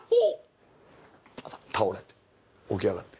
倒れて起き上がって。